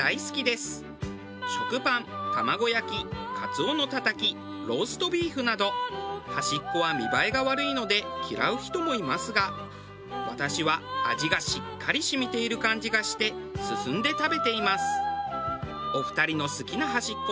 私は食パン卵焼きカツオのたたきローストビーフなど端っこは見栄えが悪いので嫌う人もいますが私は味がしっかり染みている感じがして進んで食べています。